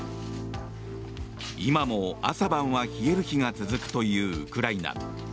今も朝晩は冷える日が続くというウクライナ。